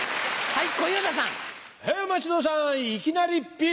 はい。